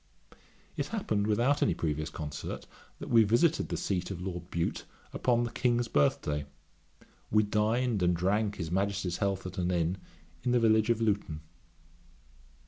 It happened without any previous concert, that we visited the seat of Lord Bute upon the King's birthday; we dined and drank his Majesty's health at an inn, in the village of Luton.